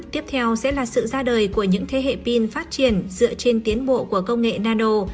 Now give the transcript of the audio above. tiếp theo sẽ là sự ra đời của những thế hệ pin phát triển dựa trên tiến bộ của công nghệ nano